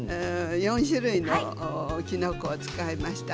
４種類のきのこを使います。